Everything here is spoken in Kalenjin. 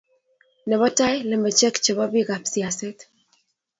nebo tai, lembechek chebo bikaap siaset